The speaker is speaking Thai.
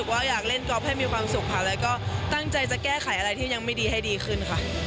ก็อยากเล่นกอล์ฟให้มีความสุขค่ะก็ต้องอิงการแก้ไขและอะไรที่ยังไม่ดีให้ดีขึ้นค่ะ